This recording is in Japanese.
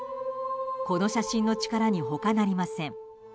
この写真の力に他なりません。